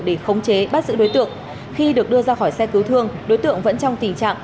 để khống chế bắt giữ đối tượng khi được đưa ra khỏi xe cứu thương đối tượng vẫn trong tình trạng